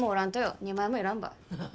２枚もいらんばい